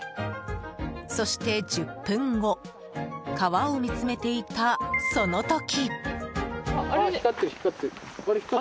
そして１０分後川を見つめていた、その時。